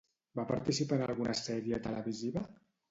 Va participar en alguna sèrie televisiva?